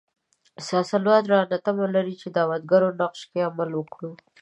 سیاستوال رانه تمه لري چې دعوتګرو نقش کې عمل وکړو.